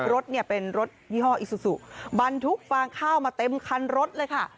รถเนี่ยเป็นรถยี่ห้ออิซูซูบรรทุกฟางข้าวมาเต็มคันรถเลยค่ะ